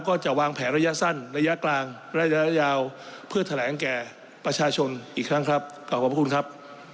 ๗กันยายนนี้ครับ